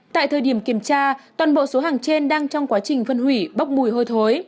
tại thời điểm kiểm tra toàn bộ số hàng trên đang trong quá trình phân hủy bốc mùi hôi thối